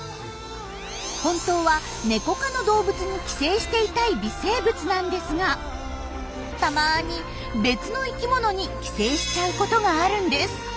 本当はネコ科の動物に寄生していたい微生物なんですがたまに別の生きものに寄生しちゃうことがあるんです。